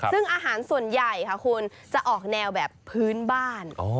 ซึ่งอาหารส่วนใหญ่ค่ะคุณจะออกแนวแบบพื้นบ้าน